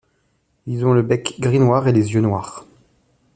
Ils ont le bec gris-noir et les yeux noirs.